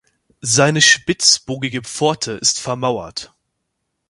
Seine spitzbogige Pforte ist vermauert.